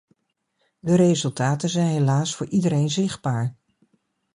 De resultaten zijn helaas voor iedereen zichtbaar.